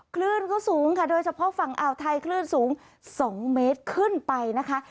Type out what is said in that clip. คลื่นก็สูงค่ะโดยเฉพาะฝั่งอ่าวไทยคลื่นสูง๒เมตรขึ้นไปนะคะ